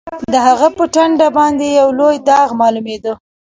د هغه په ټنډه باندې یو لوی داغ معلومېده